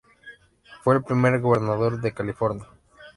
Fue el primer Gobernador de California.